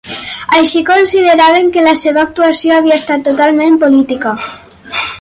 Així, consideraven que la seva actuació havia estat totalment política.